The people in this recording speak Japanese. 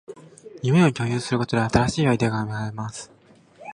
夢を共有することで、新しいアイデアが芽生えます